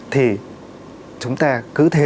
thì chúng ta cứ thế